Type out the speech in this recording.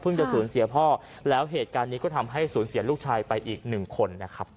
จะสูญเสียพ่อแล้วเหตุการณ์นี้ก็ทำให้สูญเสียลูกชายไปอีกหนึ่งคนนะครับ